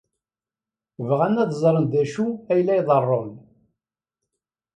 Bɣan ad ẓren d acu ay la iḍerrun.